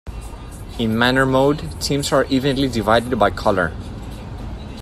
In Manner mode, teams are evenly divided by color.